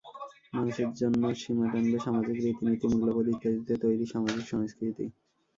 মানুষের জন্য সীমা টানবে সামাজিক রীতিনীতি মূল্যবোধ ইত্যাদিতে তৈরি সামাজিক সংস্কৃতি।